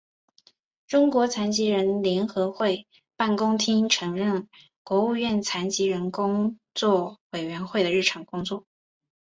中国残疾人联合会办公厅承担国务院残疾人工作委员会的日常工作。